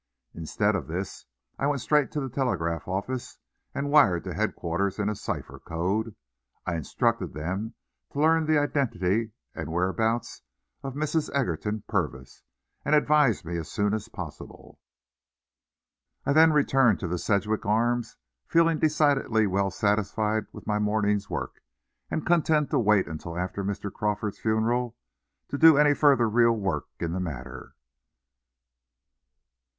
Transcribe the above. Instead of this, I went straight to the telegraph office and wired to headquarters in a cipher code. I instructed them to learn the identity and whereabouts of Mrs. Egerton Purvis, and advise me as soon as possible. Then I returned to the Sedgwick Arms, feeling decidedly well satisfied with my morning's work, and content to wait until after Mr. Crawford's funeral to do any further real work in the matter.